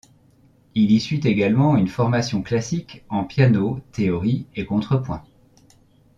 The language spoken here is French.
Il y suit également une formation classique en piano, théorie et contrepoint.